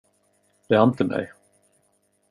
Det ante mig.